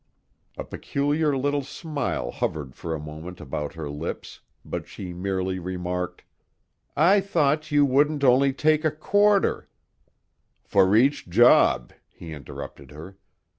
A peculiar little smile hovered for a moment about her lips, but she merely remarked: "I thought you wouldn't only take a quarter " "For each job," he interrupted her.